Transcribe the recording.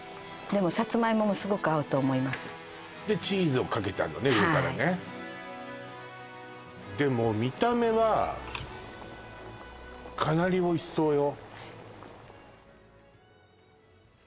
でもさつまいももすごく合うと思いますでチーズをかけてあるのね上からねでも見た目はかなりおいしそうよ